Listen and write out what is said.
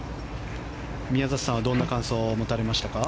宮里さんはどんな感想を持たれましたか？